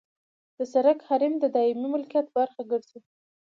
د سرک حریم د دایمي ملکیت برخه ګرځي